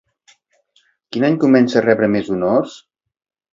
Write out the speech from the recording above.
Quin any comença a rebre més honors?